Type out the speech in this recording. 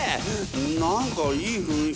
何かいい雰囲気だぞ？